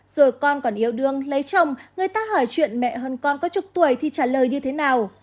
rồi con còn yêu đương lấy chồng người ta hỏi chuyện mẹ hơn con có chục tuổi thì trả lời như thế nào